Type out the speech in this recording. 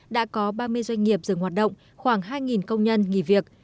đã có ba mươi doanh nghiệp dừng hoạt động khoảng hai công nhân nghỉ việc